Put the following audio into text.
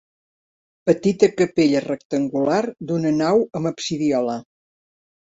Petita capella rectangular d'una nau amb absidiola.